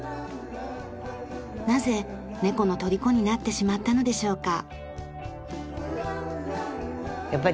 なぜ猫のとりこになってしまったのでしょうか。